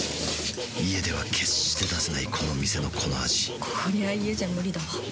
家では決して出せないこの店のこの味こりゃ家じゃムリだわ。